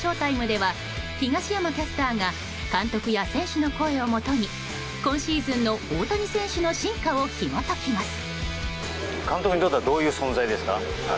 ＳＨＯ‐ＴＩＭＥでは東山キャスターが監督や選手の声をもとに今シーズンの大谷選手の進化をひも解きます。